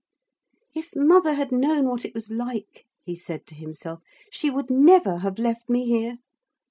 'If mother had known what it was like,' he said to himself, 'she would never have left me here.